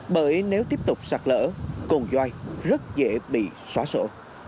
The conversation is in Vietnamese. bởi nếu tiếp tục sạt lỡ cồn doai rất dễ bị xóa sổ